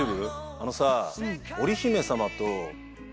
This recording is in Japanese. あのさ。